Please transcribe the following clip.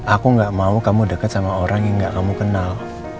aku gak mau kamu deket sama orang yang gak kamu kenal